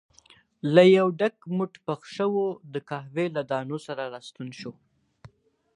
له یو ډک موټ پخ شوو د قهوې له دانو سره راستون شو.